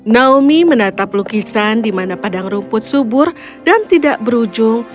naomi menatap lukisan di mana padang rumput subur dan tidak berujung